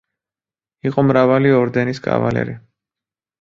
იყო მრავალი ორდენის კავალერი.